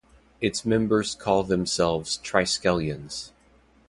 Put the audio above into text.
Its members call themselves Triskelions.